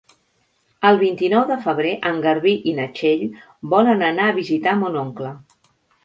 El vint-i-nou de febrer en Garbí i na Txell volen anar a visitar mon oncle.